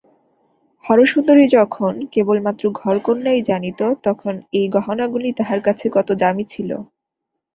হরসুন্দরী যখন কেবলমাত্র ঘরকন্নাই জানিত তখন এই গহনাগুলি তাহার কাছে কত দামি ছিল।